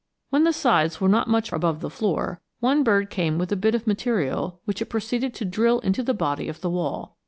When the sides were not much above the floor, one bird came with a bit of material which it proceeded to drill into the body of the wall.